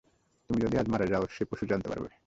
তুমি যদি আজ মারা যাও, সে পরশু জানতে পারবে।